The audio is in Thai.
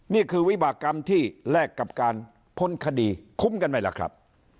นี่คือวิบากรรมที่แลกกับการพ้นคดีคุ้มกันไหมล่ะครับ